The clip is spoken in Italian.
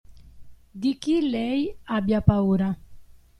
Di chi lei abbia paura.